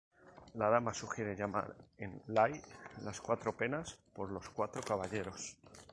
La dama sugiere llamar el lai las cuatro penas por los cuatro caballeros.